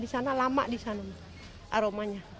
di sana lama di sana aromanya